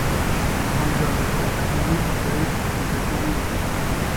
ამ ჟანრის შემქმნელი უზეირ ჰაჯიბეკოვი იყო.